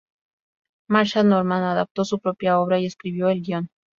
Marsha Norman adaptó su propia obra y escribió el guion.